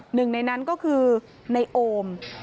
หนึ่งในนั้นก็คือในโอม